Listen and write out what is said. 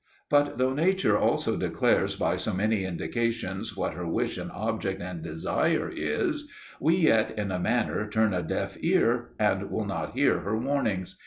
But though Nature also declares by so many indications what her wish and object and desire is, we yet in a manner turn a deaf ear and will not hear her warnings.